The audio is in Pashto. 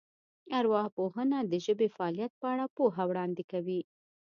ارواپوهنه د ژبې د فعالیت په اړه پوهه وړاندې کوي